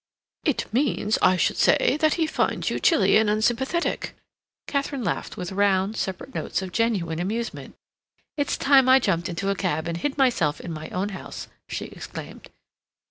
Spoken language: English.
"It means, I should say, that he finds you chilly and unsympathetic." Katharine laughed with round, separate notes of genuine amusement. "It's time I jumped into a cab and hid myself in my own house," she exclaimed.